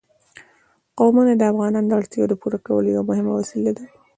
قومونه د افغانانو د اړتیاوو د پوره کولو یوه مهمه وسیله ده.